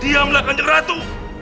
diamlah kanjeng ratu